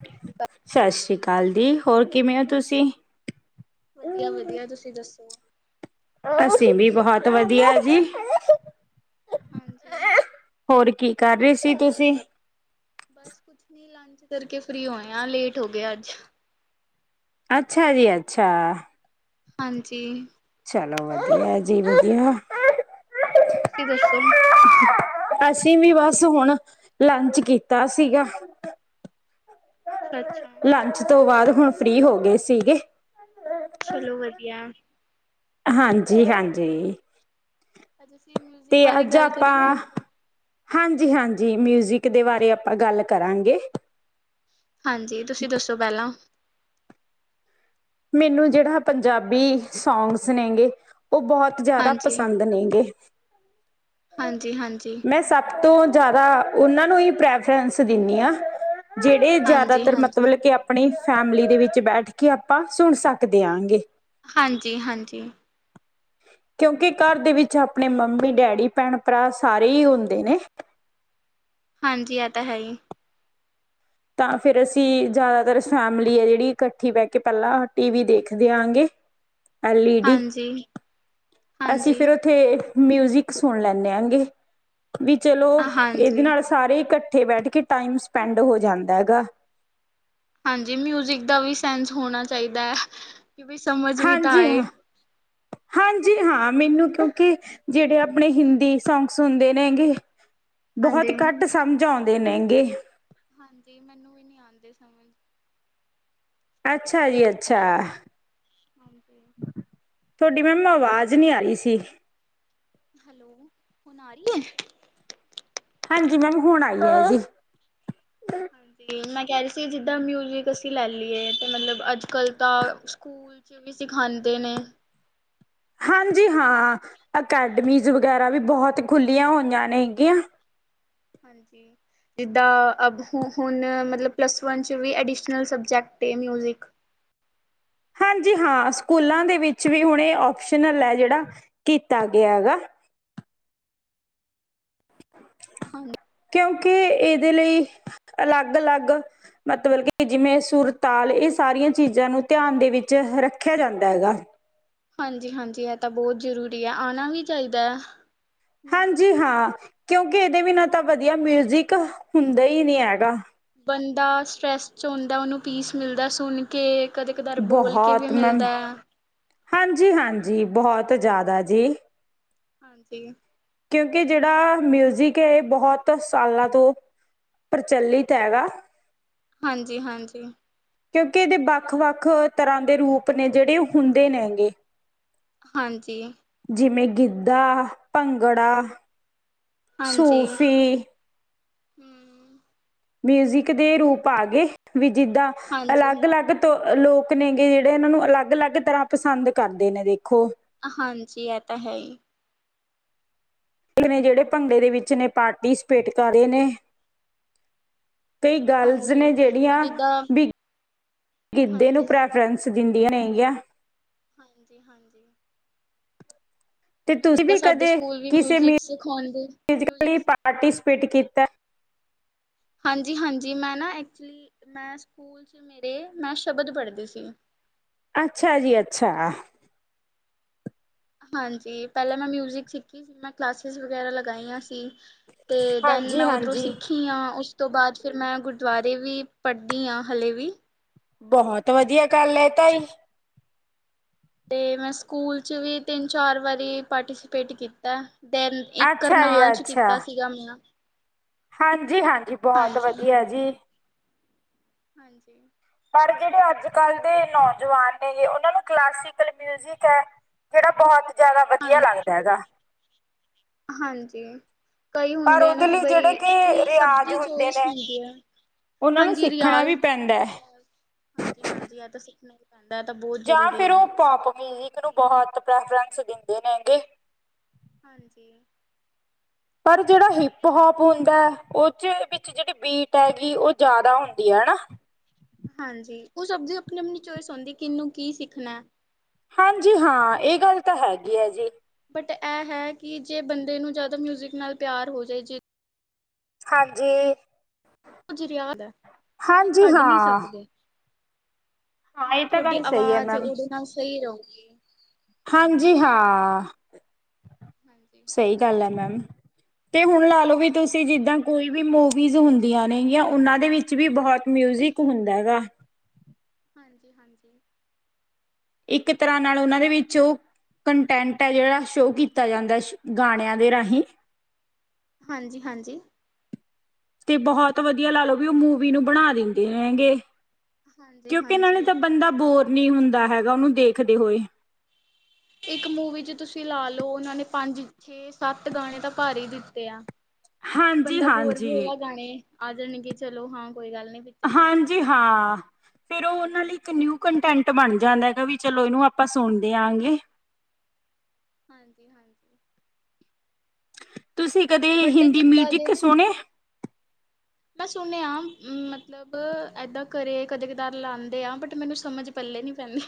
ਸਤਿ ਸ਼੍ਰੀ ਅਕਾਲ। ਸਤਿ ਸ੍ਰੀ ਅਕਾਲ ਦੀ ਹੋਰ? ਕਿਵੇਂ ਹੋ ਤੁਸੀਂ? ਵਧੀਆ ਵਧੀਆ ਤੁਸੀਂ ਦੱਸੋ? ਅਸੀਂ ਵੀ ਬਹੁਤ ਵਧੀਆ ਜੀ। ਹਾਂਜੀ। ਹੋਰ ਕੀ ਕਰ ਰਹੇ ਸੀ? ਤੁਸੀਂ? ਬਸ ਕੁਛ ਨੀ ਲੰਚ ਕਰਕੇ ਫਰੀ ਹੋਏ ਆ ਲੇਟ ਹੋ ਗਏ ਆ ਅੱਜ। ਅੱਛਾ ਜੀ ਅੱਛਾ। ਹਾਂਜੀ। ਚਲੋ ਵਧੀਆ ਜੀ ਵਧੀਆ। ਤੁਸੀਂ ਦੱਸੋ? ਅਸੀਂ ਵੀ ਬਸ ਹੁਣ ਲੰਚ ਕੀਤਾ ਸੀਗਾ। ਅੱਛਾ-ਅੱਛਾ। ਲੰਚ ਤੋਂ ਬਾਅਦ? ਹੁਣ ਫ੍ਰਰੀ ਹੋ ਗਏ ਸੀਗੇ। ਚਲੋ ਵਧੀਆ ਹਾਂਜੀ -ਹਾਂਜੀ ਅੱਜ ਅਸੀਂ ਮਿਊਜਿਕ ਬਾਰੇ ਗੱਲ ਕਰੀਏ ਹਾਂਜੀ- ਹਾਂਜੀ ਮਿਊਜ਼ਿਕ ਦੇ ਬਾਰੇ ਆਪਾਂ ਗੱਲ ਕਰਾਂਗੇ ਹਾਂਜੀ ਤੁਸੀਂ ਦੱਸੋ ਪਹਿਲਾਂ ਮੈਨੂੰ ਜਿਹੜਾ ਪੰਜਾਬੀ ਸੋਂਗਸ ਨੇਗੇ ਉਹ ਬਹੁਤ ਜ਼ਿਆਦਾ ਪਸੰਦ ਨੇ ਗੇ ਹਾਂ [inaudible] [inaudible] ਹਾਂਜੀ -ਹਾਂਜੀ ਤੋਂ ਜ਼ਿਆਦਾ ਉਹਨਾਂ ਨੂੰ ਹੀ ਪ੍ਰੈਫਰੈਂਸ ਦਿੰਦੀ ਆ ਜਿਹੜੇ ਜ਼ਿਆਦਾਤਰ ਹਾਂਜੀ-ਹਾਂਜੀ। ਮਤਲਬ ਕੇ ਆਪਣੇ ਫੈਮਿਲੀ ਦੇ ਵਿੱਚ ਬੈਠ ਕੇ ਆਪ ਆਪਾਂ ਸੁਣ ਸਕਦੇ ਹਾਂ ਗ ਹਾਂਜੀ -ਹਾਂਜੀ ਕਿਉਂਕਿ ਘਰ ਦੇ ਵਿੱਚ ਆਪਣੇ ਮੰਮੀ ਡੈਡੀ ਭੈਣ ਭਰਾ ਸਾਰੇ ਹੀ ਹੁੰਦੇ ਨੇ ਹਾਂਜੀ ਆ ਤਾਂ ਹੈ ਹੀ ਤਾਂ ਫਿਰ ਅਸੀਂ ਜ਼ਿਆਦਾਤਰ ਫੈਮਲੀ ਆ ਜਿਹੜੀ ਇਕੱਠੀ ਬੈਠ ਕੇ ਪਹਿਲਾਂ ਟੀ ਵੀ ਦੇਖਦੇ ਆਂਗੇ ਐਲ ਈ ਡੀ ਹਾਂਜੀ। ਅਸੀਂ ਹਾਂਜੀ, ਫਿਰ ਉੱਥੇ ਮਿਊਜ਼ਿਕ ਸੁਣ ਲੈਂਦੇ ਆ ਗ ਵੀ ਚਲੋ ਇਹਦੇ ਹਾਂਜੀ। ਨਾਲ ਸਾਰੇ ਇਕੱ ਇਕੱਠੇ ਬੈਠ ਕੇ ਟਾਈਮ ਸਪੈਂਡ ਹੋ ਜਾਂਦਾ ਹੈਗਾ ਹਾਂਜੀ ਮਿਊਜਿਕ ਦਾ ਵੀ ਸੈਂਸ ਹੋਣਾ ਚਾਹੀਦਾ ਹੈ ਕਿ ਵੀ ਸਮਝ ਵੀ ਤਾਂ ਹਾਂਜੀ ਆਏ ਹਾਂ ਹਾਂਜੀ ਹਾਂ ਮੈਨੂੰ ਕਿਉਂਕਿ ਜਿਹੜੇ ਆਪਣੇ ਹਿੰਦੀ ਸੌਗ ਸੁਣਦੇ ਨੇ ਗੇ। ਨੇ ਬਹੁਤ ਹਾਂਜੀ। ਘੱਟ ਸਮਝ ਆਉਂ ਦੇ ਮਹਿੰਗੇ ਹਾਂਜੀ ਮੈਨੂੰ ਵੀ ਨੀ ਆਉਂਦੇ ਸਮਝ ਅੱਛਾ ਜੀ ਅੱਛਾ ਹਾਂਜੀ ਤੁਹਾਡੀ ਮੈਂਮਾ ਆਵਾਜ਼ ਨਹੀ ਆ ਰਹੀ ਸੀ ਹੈਲੋ ਹੁਣ ਆ ਰਹੀ ਹੈ ਹਾਂਜੀ ਮੈਂ ਵੀ ਹੁਣ ਆਈ ਹ ਜੀ ਹਾਂਜੀ ਮੈਂ ਕਹਿ ਰਹੀ ਸੀ ਜਿੱਦਾਂ ਮਿਊਜ਼ਿਕ ਅਸੀਂ ਲੈ ਲਈਏ ਅਤੇ ਮਤਲਬ ਅੱਜ ਕੱਲ੍ਹ ਤਾਂ ਸਕੂਲ 'ਚ ਵੀ ਸਿਖਾਉਂਦੇ ਨੇ ਹਾਂਜੀ ਹਾਂ ਅਕੈਡਮੀਜ਼ ਵਗੈਰਾ ਵੀ ਬਹੁਤ ਖੁੱਲ੍ਹੀਆਂ ਹੋਈਆਂ ਨੇ ਹੈਗੀਆਂ ਹਾਂਜੀ ਜਿੱਦਾਂ ਅ ਹੁਣ ਮਤਲਬ ਪਲੱਸ ਵਨ 'ਚ ਵੀ ਅਡੀਸ਼ਨਲ ਸਬਜੈਕਟ ਮਿਊਜਿਕ ਹਾਂਜੀ ਹਾਂ ਸਕੂਲਾਂ ਦੇ ਵਿੱਚ ਵੀ ਹੁਣ ਇਹ ਆਪਓਪਸ਼ਨਲ ਹੈ ਜਿਹੜਾ ਕੀਤਾ ਗਿਆ ਹੈਗਾ [inaudible] ਹਾਂਜੀ। ਕਿਉਂਕਿ ਇਹਦੇ ਲਈ ਅਲੱਗ ਅਲੱਗ ਮਤਲਬ ਕਿ ਜਿਵੇਂ ਸੁਰਤਾਲ ਇਹ ਸਾਰੀਆਂ ਚੀਜ਼ਾਂ ਨੂੰ ਧਿਆਨ ਦੇ ਵਿੱਚ ਰੱਖਿਆ ਜਾਂਦਾ ਹੈਗਾ। ਹਾਂਜੀ, ਹਾਂਜੀ ਇਹ ਤਾਂ ਬਹੁਤ ਜ਼ਰੂਰੀ ਏ। ਆਉਣਾ ਵੀ ਚਾਹੀਦਾ ਐ। ਹਾਂਜੀ, ਹਾਂ। ਕਿਉਂਕਿ ਇਹਦੇ ਵੀਨਾਂ ਤਾਂ ਵਧੀਆ ਮਿਊਜਿਕ ਹੁੰਦਾ ਹੀ ਨਹੀ ਹੈਗਾ। ਬੰਦਾ ਸਟਰੈੱਸ ਚ ਹੁੰਦਾ ਉਹਨੂੰ ਪੀਸ ਮਿਲਦਾ ਸੁਣ ਕੇ। ਕਦੇ ਕਧਾਰ ਬੋਲ ਕੇ ਵੀ ਮਿਲਦਾ ਐ। ਹਾਂਜੀ, ਹਾਂਜੀ ਬਹੁਤ ਜ਼ਿਆਦਾ ਜੀ। ਹਾਂਜੀ। ਕਿਉਂਕਿ ਜਿਹੜਾ ਮਿਊਜ਼ਿਕ ਹੈ ਇਹ ਬਹੁਤ ਸਾਲਾਂ ਤੋਂ ਪ੍ਰਚਲਿਤ ਹੈਗਾ। ਹਾਂਜੀ, ਹਾਂਜੀ। ਕਿਉਂਕਿ ਇਹਦੇ ਵੱਖ ਵੱਖ ਤਰ੍ਹਾਂ ਦੇ ਰੂਪ ਨੇ ਜਿਹੜੇ ਹੁੰਦੇ ਨੇ ਹੈਗੇ। ਹਾਂਜੀ। ਗਿੱਧਾ, ਭੰਗੜਾ ਹਾਂਜੀ ਸੂਫ਼ੀ, ਹੂੰ। ਮਿਊਜ਼ਿਕ ਦੇ ਰੂਪ ਆਗੇ। ਜਿੱਦਾਂ ਹਾਂਜੀ ਅਲੱਗ ਅਲੱਗ ਤੋਂ ਲੋਕ ਨੇਗੇ ਜਿਹੜੇ ਇਹਨਾਂ ਨੂੰ ਅਲੱਗ ਅਲੱਗ ਤਰ੍ਹਾਂ ਪਸੰਦ ਕਰਦੇ ਨੇ ਦੇਖ। ਹਾਂਜੀ। ਜੀ ਆ ਤਾਂ ਹੈ ਈ। ਨੇ ਜਿਹੜੇ ਭੰਗੜੇ ਨਾ ਇਹ ਦੇ ਵਿਚ ਨੇ ਪਾਰਟੀਸਪੇਟ ਕਰ ਰਹੇ ਨੇ। ਕਈ ਗਰਲਜ਼ ਹਾਂਜੀ ਨੇ ਹੁਣ ਜਿਹੜੀਆਂ ਜਿੱਦਾਂ ਵੀ ਗਿੱਧੇ ਨੂੰ ਹਾਂਜੀ ਪ੍ਰੈਫਰੈਂਸ ਦਿੰਦੀਆਂ ਨੇਗੀਆਂ। ਹਾਂਜੀ, ਹਾਂਜੀ। ਤੇ ਹੁਣ ਤੁਸੀਂ ਜਿੱਦਾਂ ਵੀ ਸਾਡੇ ਕਦੇ ਸਕੂਲ ਵੀ ਕਿਸੇ ਮਿਊਜ਼ਿਕ ਸਿਖਾਉਂਦੇ ਮਿਊਜ਼ਿਕ ਪਾਰਟੀਸਪੇਟ ਕੀਤਾ। ਹਾਂਜੀ, ਹਾਂਜੀ। ਮੈਂ ਨਾ ਐਕਚੁਲੀ ਮੈਂ ਸਕੂਲ 'ਚ ਮੇਰੇ ਮੈਂ ਸ਼ਬਦ ਪੜ੍ਹਦੀ ਸੀ। ਅੱਛਾ ਜੀ ਅੱਛਾ। ਹਾਂਜੀ, ਪਹਿਲਾਂ ਮੈਂ ਮਿਊਜਿਕ ਸਿੱਖੀ ਸੀ। ਮੈਂ ਕਲਾਸਿਸ ਵਗੈਰਾ ਲਗਾਈਆਂ ਸੀ। ਤੇ ਦੈਨ ਹਾਂਜੀ ਮੈਂ ਉੱਧਰੋਂ ਹਾਂਜੀ ਸਿੱਖੀ ਆ। ਉਸ ਤੋਂ ਬਾਅਦ ਫਿਰ ਮੈਂ ਗੁਰਦੁਆਰੇ ਵੀ ਪੜ੍ਹਦੀ ਹਾਂ ਹਲੇ ਵੀ ਬਹੁਤ ਵਧੀਆ ਗੱਲ ਐ ਤਾਈ। ਤੇ ਮੈਂ ਸਕੂਲ ਚ ਵੀ ਤਿੰਨ ਚਾਰ ਵਾਰੀ ਪਾਰਟੀਸਪੇਟ ਕੀਤਾ। ਦੈਨ ਇੱਕ ਅੱਛਾ ਕਰਨਾਲ ਚ ਅੱਛਾ ਕੀਤਾ ਸੀਗਾ ਮੇਰਾ। ਹਾਂ ਜੀ ਹਾਂਜੀ। ਬਹੁਤ ਵਧੀਆ ਜੀ। ਹਾਂਜੀ। ਪਰ ਜਿਹੜੇ ਅੱਜ ਕੱਲ੍ਹ ਦੇ ਨੌਜਵਾਨ ਨੇਗੇ, ਉਹਨਾਂ ਨੂੰ ਕਲਾਸੀਕਲ ਮਿਊਜਿਕ ਹੈ ਜਿਹੜਾ ਬਹੁਤ ਜ਼ਿਆਦਾ ਹਾਂ ਵਧੀਆ ਲੱਗਦਾ ਹੈਗਾ। ਹਾਂਜੀ ਕਈ ਪਰ ਹੁੰਦੇ ਨਾ ਉਹਦੇ ਕਿ ਲਈ ਜਿਹੜੇ ਬਈ, ਕਿ ਆਪਣੀ ਸਭ ਰਿਆਜ਼ ਦੀ ਹੁੰਦੇ ਚੋਇਸ ਨੇ ਹੁੰਦੀ ਹੈ, ਉਹਨਾਂ ਨੂੰ ਹਾਂਜੀ ਸਿੱਖਣਾ ਵੀ ਰਿਆਜ਼, ਪੈਂਦਾ ਹੈ ਹਾਂਜੀ, ਹਾਂਜੀ ਇਹ ਸਿਖਣਾ ਜਾਂ ਫੇਰ ਉਹ ਪੋਪ ਮੀਜੀਕ ਨੂੰ ਬੋਹੁਤ ਪ੍ਰੈਫਰੈਨਸ ਦਿੰਦੇ ਨੇਗੇ। ਹਾਂਜੀ ਪਰ ਜਿਹੜਾ ਹਿਪ ਹੋਪ- ਹੁੰਦਾ ਉਹਦੇ ਵਿੱਚ ਜਿਹੜੀ ਬੀਟ ਹੈਗੀ ਉਹ ਜ਼ਿਆਦਾ ਹੁੰਦੀ ਹੈਨਾ। ਹਾਂਜੀ ਉਹ ਸਬਦੀ ਆਪਣੀ, ਆਪਣੀ ਚੋਇਸ ਹੂੰਦੀ ਕਿਨੂੰ ਕੀ ਸਿੱਖ ਣ। ਹਾਂਜੀ ਹਾਂ ਇਹ ਗੱਲ ਤਾਂ ਹੈਗੀ ਹੈ ਜੀ। ਬਟ ਇਹ ਹੈ ਕਿ ਜੇ ਬੰਦੇ ਨੂੰ ਜ਼ਿਆਦਾ ਮਿਊਜ਼ਿਕ ਨਾਲ ਪਿਆਰ ਹੋ ਜਾਏ ਜੇ ਹਾਂਜੀ ਕੁਝ ਰਿਆਦ ਹੈ, ਤੁਸੀਂ ਹਾਂਜੀ ਛੱਡ ਨੀ ਹਾਂ ਸਕਦੇ। ਹਾਂ ਇਹ ਮਤਲਬ ਤਾਂ ਤੁਹਾਡੀ ਗੱਲ ਸਹੀ ਹੈ ਆਵਾਜ਼ ਮੈਮ ਉਹਦੇ ਨਾਲ ਸਹੀ ਰੳਗੀ। ਹਾਂਜੀ ਹਾਂ। ਹਾਂਜੀ, ਸਹੀ ਗੱਲ ਹੈ। ਮੈਮ, ਤੇ ਹੁਣ ਲਾ ਲੋ ਵੀ ਤੁਸੀਂ ਜਿਦਾਂ ਕੋਈ ਵੀ ਮੂਵੀਜ਼ ਹੁੰਦੀਆਂ ਨੇ ਯਾ ਉਨ੍ਹਾਂ ਦੇ ਵਿਚ ਵੀ ਬਹੁਤ ਮਿਊਜਿਕ ਹੁੰਦਾਗਾ। ਹਾਂਜੀ, ਹਾਂਜੀ ਇੱਕ ਤਰ੍ਹਾਂ ਨਾਲ ਉਹਨਾਂ ਦੇ ਵਿੱਚ ਉਹ ਕੰਟੈਂਟ ਹੈ ਜਿਹੜਾ ਸ਼ੋਅ ਕੀਤਾ ਜਾਂਦਾ ਸ਼ ਗਾਣਿਆਂ ਦੇ ਰਾਹੀਂ। ਹਾਂਜੀ, ਹਾਂਜੀ। ਤੇ ਬਹੁਤ ਵਧੀਆ ਲਾ ਲੋਓ ਵੀ ਉਹ ਮੂਵੀ ਨੂੰ ਬਣਾ ਦਿੰਦੇ ਹੈੰਗੇ। ਹਾਂਜੀ, ਕਿਉਂਕਿੇ ਨਾਲੇ ਹਾਂਜੀ। ਤਾਂ ਬੰਦਾ ਬੋਰ ਨਹੀਂ ਹੁੰ ਦਾ ਹੈਗਾ ਉਹਨੂੰ ਦੇਖਦੇ ਹੋਏ। ਇੱਕ ਮੂਵੀ ਚ ਤੁਸੀਂ ਲਾ ਲਓ ਉਹਨਾਂ ਨੇ ਪੰਜ, ਛੇ, ਸੱਤ ਗਾਣੇ ਤਾਂ ਭਾਰ ਹੀ ਦਿੱਤੇ ਆ। ਤੇ ਹਾਂਜੀ ਬੰਦਾ ਬੋਰ ਵੀ ਹਾਂਜੀ ਹੋਇਆ ਗਾਣੇ ਆਜਣਗੇ ਚਲੋ ਹਾਂ। ਕੋਈ ਗੱਲ ਨੀ ਪਿਕਚਰ ਚ ਗਾਣੇ ਹਾਂਜੀ ਤਾਂ ਹੈਗੇ ਆ। ਹਾਂ ਫੇਰ ਉਹ ਉਹਨਾਂ ਨੇ ਇੱਕ ਨਿਊ ਕੰਟੈਂਟ ਬਣ ਜਾਂਦਾ ਹੈਗਾ ਵੀ ਚਲੋ ਇਹਨੂੰ ਆਪਾਂ ਸੁਣਦੇ ਆਾਂਗੇ। ਹਾਂਜੀ, ਹਾਂਜੀ ਤੁਸੀਂ ਕਦੇ ਬਟ ਹਿੰਦੀ ਜਿੱਦਾਂ ਦੇ ਮਿਊਜਿਕ ਸੁਣੇ? ਮੈਂ ਸੁਣਿਆ ਮਤਲਬ ਏਦਾਂ ਘਰੇ ਕਦੇ ਕਦਾਰ ਲਾੰਦੇ ਆ ਬਟ ਮੈਨੂੰ ਸਮਝ ਪੱਲੇ ਨੀ ਪੈਂਦੀ।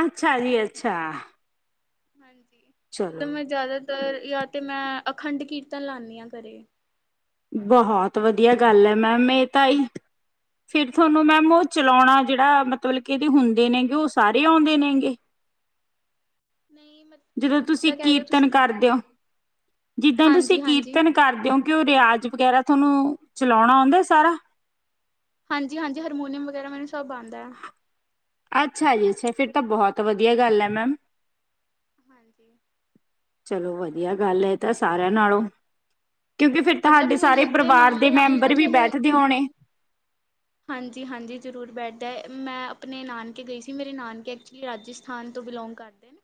ਅੱਛਾ ਜੀ, ਅੱਛਾ ਹਾਂਜੀ ਮਤਲਬ ਚਲੋ ਮੈਂ ਜ਼ਿਆਦਾਤਰ ਯਾ ਤੇ ਮੈਂ ਅਖੰਡ ਕੀਰਤਨ ਲਾੰਨੀ ਹਾਂ ਘਰੇ ਬਹੁਤ ਵਧੀਆ ਗੱਲ ਹੈ ਮੈਮ ਇਹ ਤਾਂਈ ਫਿਰ ਤੁਹਾਨੂੰ ਮੈਮ ਉਹ ਚਲਾਉਣਾ ਜਿਹੜਾ ਮਤਲਬ ਕਿ ਇਹਦੇ ਹੁੰਦੇ ਨੇਗੇ ਉਹ ਸਾਰੇ ਆਉਂਦੇ ਨੇਗੇ। ਨਹੀਂ ਮਤ ਜਦੋਂ ਮਤਲਬ ਤੁਸੀਂ ਕਿੱਦਾਂ ਕਹਿ ਰਹੇ ਹੋ ਕੀਰਤਨ ਤੁਸੀਂ? ਕਰਦੇ ਹੋ ਜਿੱਦਾਂ ਤੁਸੀਂ ਹਾਂਜੀ ਹਾਂਜੀ ਕੀਰਤਨ ਕਰਦੇ ਹੋ ਕਿ ਉਹ ਰਿਆਜ ਵਗੈਰ ਥੋਨੂੰ ਚਲੋਣਾ ਆਉਂਦਾ ਸਾਰਾ? ਹਾਂਜੀ ਹਾਂਜੀ ਹਾਰਮੋਨੀਮ ਵਗੈਰਾ ਸਭ ਆਉਂਦਾ ਅੱਛਾ ਜੀ ਅੱਛਾ ਫਿਰ ਤਾਂ ਬਹੁਤ ਵਧੀਆ ਗੱਲ ਹੈ ਮੈਮ ਹਾਂਜੀ ਚਲੋ ਵਧੀਆ ਗੱਲ ਹੈ ਤਾਂ ਸਾਰਿਆਂ ਨਾਲੋਂ ਕਿਉਂਕਿ ਫਿਰ ਮਤਲਬ ਤੁਹਾਡੇ ਸਾਰੇ ਮਿਊਜ਼ਿਕ ਪਰਿਵਾਰ ਨਾਲ ਦੇ ਨਾਲ ਨਾ ਮੈਂਬਰ ਵੀ ਤੁਹਾਨੂੰ ਬੈਠਦੇ ਹੋਣੇ ਹਾਂਜੀ ਹਾਂਜੀ ਜ਼ਰੂਰ ਬੈਠਦਾ ਮੈਂ ਆਪਣੇ ਨਾਨਕੇ ਗਈ ਸੀ ਮੇਰੇ ਨਾਨਕੇ ਐਕਚੁਲੀ ਰਾਜਸਥਾਨ ਤੋਂ ਬਿਲੋਂਗ ਕਰਦੇ ਨੇ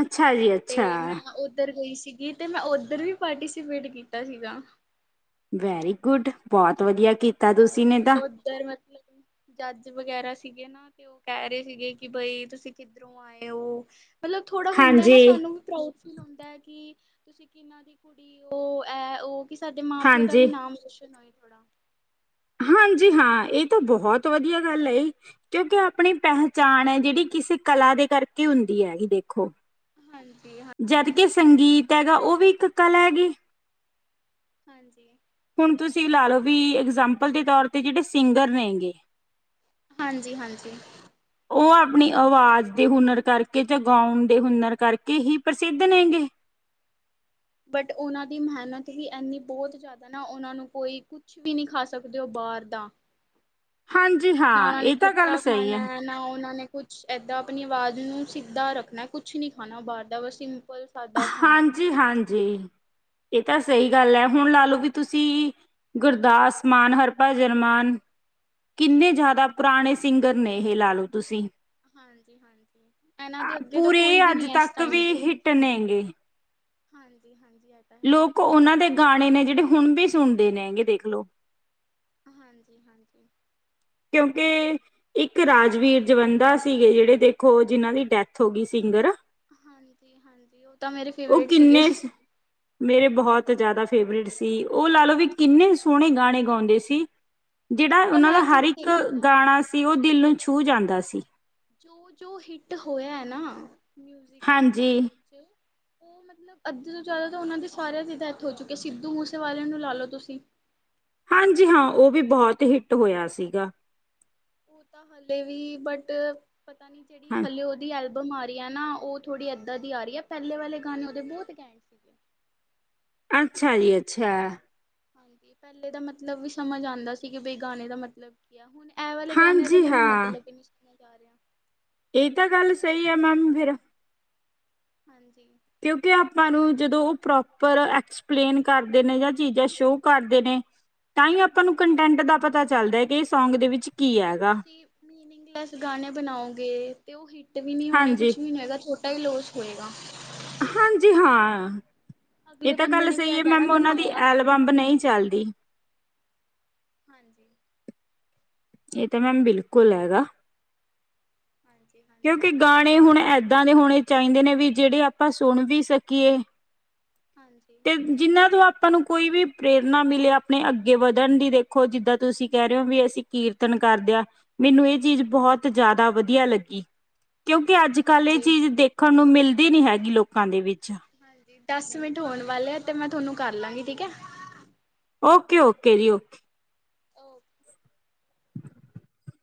ਅੱਛਾ ਜੀ ਅੱਛਾ ਤੇ ਮੈਂ ਉੱਧਰ ਗਈ ਸੀਗੀ ਤੇ ਮੈਂ ਉੱਧਰ ਵੀ ਪਾਰਟੀਸੀਪੇਟ ਕੀਤਾ ਸੀਗਾ ਵੈਰੀ ਗੁੱਡ ਬਹੁਤ ਵਧੀਆ ਕੀਤਾ ਤੇ ਤੁਸੀਂ ਨੇ ਤਾਂ ਉਓਧਰ ਮਤਲਬ ਜੱਜ ਵਗੈਰਾ ਸੀਗੇ ਨਾ ਤੇ ਉਹ ਕਹਿ ਰਹੇ ਸੀਗੇ ਕਿ ਬਈ ਤੁਸੀਂ ਕਿੱਧਰੋਂ ਆਏ ਹੋ ਮਤਲਬ ਥੋੜਾ ਹੁੰਦਾ ਨਾ ਹਾਂਜੀ, ਸਾਨੂੰ ਵੀ ਪ੍ਰਊ ਹੁੰਦਾ ਹੈ ਕਿ ਤੁਸੀਂ ਕਿਹਨਾਂ ਦੀ ਕੁੜੀ ਉਹ ਹੈ ਉਹ ਕਿ ਸਾਡੇ ਮਾਂ ਪਿਓ ਦਾ ਹਾਂਜੀ, ਵੀ ਨਾਮ ਰੋਸ਼ਨ ਹੋਏ [inaudible] ਹਾਂਜੀ ਹਾਂ ਇਹ ਤਾਂ ਬਹੁਤ ਵਧੀਆ ਗੱਲ ਹੈ ਕਿਉਂਕਿ ਆਪਣੀ ਪਹਿਚਾਣ ਹੈ ਜਿਹੜੀ ਕਿਸੇ ਕਲਾ ਦੇ ਕਰਕੇ ਹੁੰਦੀ ਹੈ ਜ ਦੇਖੋ ਹਾਂਜੀ ਹਾਂ ਜਦ ਕਿ ਸੰਗੀਤ ਹੈਗਾ ਉਹ ਵੀ ਇੱਕ ਕਲਾ ਹੈਗੀ ਹਾਂਜੀ ਹੁਣ ਤੁਸੀਂ ਲਾ ਲਓ ਵੀ ਇਗਜਾਮਪਲ ਦੇ ਤੌਰ ਤੇ ਜਿਹੜੇ ਸਿੰਗਰ ਨੇਗੇ ਹਾਂਜੀ ਹਾਂਜੀ ਉਹ ਆਪਣੀ ਆਵਾਜ਼ ਦੇ ਹੁਨਰ ਕਰਕੇ ਜ ਗਾਉਣ ਦੇ ਹੁਨਰ ਕਰਕੇ ਹੀ ਪ੍ਰਸਿੱਧ ਨੇਗੇ ਬਟ ਉਹਨਾਂ ਦੀ ਮਿਹਨਤ ਵੀ ਇਨੀ ਬਹੁਤ ਜ਼ਿਆਦਾ ਨਾ ਉਹਨਾਂ ਨੂੰ ਕੋਈ ਕੁਛ ਵੀ ਨਹੀਂ ਖਾ ਸਕਦੇ ਉਹ ਬਾਹਰ ਦਾ ਹਾਂਜੀ ਨਾ ਹਾਂ ਉਹਨਾਂ ਨੇ ਇਹ ਤਾਂ ਗੱਲ ਖੱਟਾ ਸਹੀ ਹੈ ਖਾਣਾ ਨਾ ਉਹਨਾਂ ਨੇ ਕੁਛ ਏਦਾਂ ਆਪਣੀ ਆਵਾਜ਼ ਨੂੰ ਸਿੱਧਾ ਰੱਖਣਾ ਕੁਛ ਨੀ ਖਾਣਾ ਉਹ ਬਾਹਰ ਦਾ ਬਸ ਸਾਦਾ ਖਾਣਾ ਹਾਂਜੀ ਖਾਣਾ ਹਾਂਜੀ ਤਾਂ ਸਹੀ ਗੱਲ ਹੈ। ਹੁਣ ਲਾ ਲਓ ਵੀ ਤੁਸੀਂ ਗੁਰਦਾਸ ਮਾਨ ਹਰਭਜਨ ਮਾਨ ਕਿੰਨੇ ਜ਼ਿਆਦਾ ਪੁਰਾਣੇ ਸਿੰਗਰ ਨੇ ਇਹ ਲਾ ਲਓ ਤੁਸੀਂ ਹਾਂਜੀ -ਹਾਂਜੀ ਇਹਨਾਂ ਦੇ ਅੱਗੇ ਤਾਂ ਪੂਰੇ ਕੋਈ ਵੀ ਅੱਜ ਨੀ ਐਸ ਤੱਕ ਟਾਈਮ ਵੀ ਤੇ। ਹਿੱਟ [unintelligible] ਹਾਂਜੀ -ਹਾਂਜੀ ਇਹ ਤਾਂ ਹੈ ਹੀ। ਲੋਕ ਉਹਨਾਂ ਦੇ ਗਾਣੇ ਨੇ ਜਿਹੜੇ ਹੁਣ ਵੀ ਸੁਣਦੇ ਨੇ ਹੈਗੇ ਦੇਖਲੋ ਹਾਂਜੀ- ਹਾਂਜੀ ਕਿਉਂਕਿ ਇੱਕ ਰਾਜਵੀਰ ਜਵੰਧਾ ਸੀਗੇ ਜਿਹੜੇ ਦੇਖੋ, ਜਿਨਾਂ ਦੀ ਡੈਥ ਹੋ ਗਈ ਸਿੰਗਰ। ਹਾਂਜੀ- ਹਾਂਜੀ ਉਹ ਤਾਂ ਮੇਰੇ ਉਹ ਫੇਵਰੇਟ ਸੀਗੇ। ਕਿੰਨੇ ਮੇਰੇ ਬਹੁਤ ਜ਼ਿਆਦਾ ਫੇਵਰੇਟ ਸੀ, ਉਹ ਲਾ ਲਓ ਵੀ ਕਿੰਨੇ ਸੋਹਣੇ ਗਾਣੇ ਗਾਉਂਦੇ ਸੀ। ਜਿਹੜਾ ਮਤਲਬ ਉਹਨਾਂ ਮੈਂ ਦਾ ਇਹ ਹਰ ਚੀਜ਼ ਇੱਕ ਦੇਖਿਆ ਗਾਣਾ ਸੀ ਉਹ ਦਿਲ ਕਿ ਨੂੰ ਛੂਹ ਜਾਂਦਾ ਸੀ ਜੋ ਜੋ ਹਿੱਟ ਹੋਇਆ ਐ ਨਾ, ਮਿਊਜ਼ਿਕ ਹਾਂਜੀ ਚ ਉਹ ਮਤਲਬ ਅੱਧੇ ਤੋਂ ਜ਼ਿਆਦਾ ਤਾਂ ਉਹਨਾਂ ਦੀ ਸਾਰਿਆਂ ਦੀ ਡੈਥ ਹੋ ਚੁੱਕੀ, ਸਿੱਧੂ ਮੂਸੇਵਾਲੇ ਨੂੰ ਲਾ ਲਓ ਤੁਸੀਂ। ਹਾਂਜੀ ਹਾਂ ਉਹ ਵੀ ਬਹੁਤ ਹਿੱਟ ਹੋਇਆ ਸੀਗਾ। ਉਹ ਤਾਂ ਹਾਲੇ ਵੀ ਬਟ, ਪਤਾ ਨੀ ਜਿਹੜੀ ਹਾਂ ਹਲੇ ਉਹਦੀ ਐਲ ਬਿਮਾਰੀ ਆ ਨਾ, ਉਹ ਥੋੜ੍ਹੀ ਇਦਾਂ ਦੀ ਆ ਰਹੀ ਹੈ, ਪਹਿਲੇ ਵਾਲੇ ਗਾਣੇ ਉਹਦੇ ਬਹੁਤ ਘੈਂਠ ਸੀਗੇ। ਅੱਛਾ ਜੀ ਅੱਛਾ ਹਾਂਜੀ ਪਹਿਲੇ ਦਾ ਮਤਲਬ ਵੀ ਸਮਝ ਆਉਂਦਾ ਸੀ ਕਿ ਬਈ ਗਾਣੇ ਦਾ ਮਤਲਬ ਕੀ ਹੈ, ਹੁਣ ਐ ਵਾਲੇ ਗਾਣਿਆਂ ਦੇ ਹਾਂਜੀ ਮੈਨੂੰ ਹਾਂ ਮਤਲਬ ਹੀ ਨੀ ਸ ਜਾ ਰਿਹਾ ਇਹ ਤਾਂ ਗੱਲ ਸਹੀ ਆ ਮੈਮ ਫੇਰ ਹਾਂਜੀ ਕਿਉਂਕਿ ਆਪਾਂ ਨੂੰ ਜਦੋਂ ਉਹ ਪ੍ਰੌਪਰ ਐਕਸਪਲੇਨ ਕਰਦੇ ਨੇ ਜਾਂ ਚੀਜ਼ਾਂ ਸ਼ੋ ਕਰਦੇ ਨੇ ਤਾਂ ਹੀ ਆਪਾਂ ਨੂੰ ਹਾਂਜੀ। ਕੰਟੈਂਟ ਦਾ ਪਤਾ ਚੱਲਦਾ ਹੈ ਕਿ ਸੌਂਗ ਦੇ ਵਿੱਚ ਕੀ ਜੇ ਹੈਗਾ ਤੁਸੀਂ ਮੀਨਿੰਗਲੈਸ ਗਾਣੇ ਬਣਾਓਗੇ, ਤੇ ਉਹ ਹਿੱਟ ਵੀ ਨਹੀਂ ਹੋਣੇ ਹਾਂਜੀ ਕੁਛ ਵੀ ਨਹੀਂ ਹੋਏਗਾ, ਥੋਡਾ ਹੀ ਲੋਸ ਹੋਏਗਾ। ਹਾਂਜੀ ਹਾਂ ਇਹ ਅਗਲੇ ਤਾਂ ਬੰਦੇ ਗੱਲ ਨੇ ਵੀ ਸਹੀ ਇਹ ਹੈ ਕਹਿਣਾ ਮੈਮ ਉਹਨਾਂ ਦੀ ਬਣਾਇਆ ਕੀ ਏ। ਐਲਬਮ ਨਹੀਂ ਚੱਲਦੀ। ਹਾਂਜੀ ਇਹ ਤਾਂ ਮੈਮ ਬਿਲਕੁਲ ਹੈਗਾ ਹਾਂਜੀ ਹਾਂਜੀ ਕਿਉਂਕਿ ਗਾਣੇ ਹੁਣ ਐਦ ਗਾਣੇ ਹੋਣੇ ਚਾਹੀਦੇ ਨੇ ਵੀ ਜਿਹੜੇ ਆਪਾਂ ਸੁਣ ਵੀ ਸਕੀਏ ਹਾਂਜੀ ਤੇ ਜਿੰਨਾ ਤੋਂ ਆਪਾਂ ਨੂੰ ਕੋਈ ਵੀ ਪ੍ਰੇਰਨਾ ਮਿਲੇ ਆਪਣੇ ਅੱਗੇ ਵਧਣ ਦੀ ਦੇਖੋ ਜਿੱਦਾਂ ਤੁਸੀਂ ਕਹਿ ਰਹੇ ਹੋ ਵੀ ਅਸੀਂ ਕੀਰਤਨ ਕਰਦੇ ਆ ਮੈਨੂੰ ਇਹ ਚੀਜ਼ ਬਹੁਤ ਜ਼ਿਆਦਾ ਵਧੀਆ ਲੱਗੀ ਕਿਉਂਕਿ ਅੱਜ ਕੱਲ੍ਹ ਇਹ ਹਾਂਜੀ। ਚੀਜ਼ ਦੇਖਣ ਨੂੰ ਮਿਲਦੀ ਨੀ ਹੈਗੀ ਲੋਕਾਂ ਦੇ ਵਿੱਚ ਹਾਂਜੀ ਦਸ ਮਿੰਟ ਹੋਣ ਵਾਲੇ ਆ ਤੇ ਮੈਂ ਤੁਹਾਨੂੰ ਕਰ ਲਵਾਂਗੀ? ਠੀਕ ਹੈ ਓਕੇ ਓਕੇ ਜੀ ਓਕੇ ਓ [unintelligible]